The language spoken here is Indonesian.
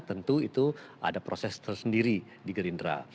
tentu itu ada proses tersendiri di gerindra